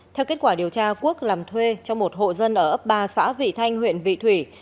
theo kết quả điều tra quốc làm thuê cho một hộ dân ở ấp ba xã vị thanh huyện vị thủy